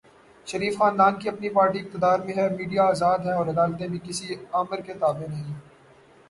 شریف خاندان کی اپنی پارٹی اقتدار میں ہے، میڈیا آزاد ہے اور عدالتیں بھی کسی آمر کے تابع نہیں۔